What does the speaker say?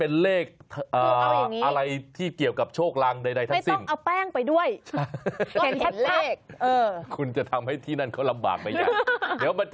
อันนี้น้ำเต้ายาวค่ะอันนี้ความยาวของเขาจะยาวมากค่ะประมาณเมตรครึ่งถึงสองเมตรค่ะ